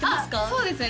そうですね